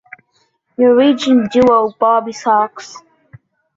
Norwegian duo Bobbysocks!